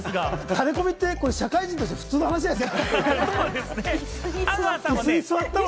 タレコミって社会人として普通の話ですから！